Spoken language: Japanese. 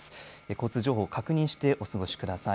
交通情報確認してお過ごしください。